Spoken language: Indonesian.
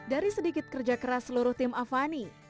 dari sedikit kerja keras seluruh tim avani